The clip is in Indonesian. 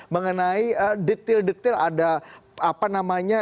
mengenai detail detail ada apa namanya